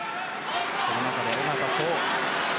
その中で、小方颯。